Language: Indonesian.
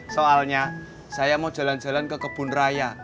soalnya saya mau jalan jalan ke kebun raya